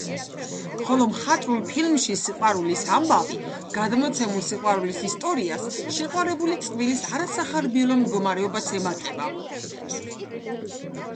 ხოლო მხატვრულ ფილმში „სიყვარულის ამბავი,“ გადმოცემულ სიყვარულის ისტორიას, შეყვარებული წყვილის არასახარბიელო მდგომარეობაც ემატება.